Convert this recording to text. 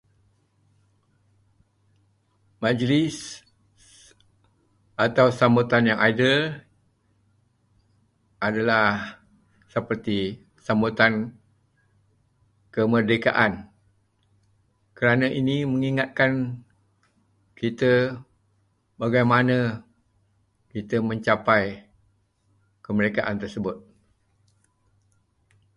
Majlis atau sambutan yang ideal adalah seperti sambutan kemerdekaan kerana ini mengingatkan kita bagaimana kita mencapai kemerdekaan tersebut.